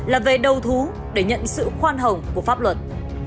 là về đầu thú để nhận sự khoan hồng của pháp luật